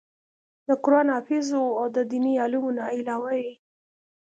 د قران حافظ وو او د ديني علومو نه علاوه ئې